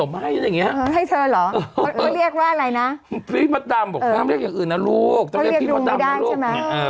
เขาเรียกว่าดำไม่ได้ใช่ไหม